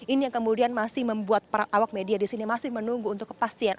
ini yang kemudian masih membuat para awak media di sini masih menunggu untuk kepastian